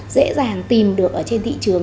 dễ dàng tìm được trên thị trường